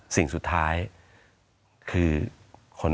สวัสดีครับทุกคน